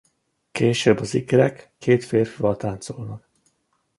Később az ikrek két férfival táncolnak.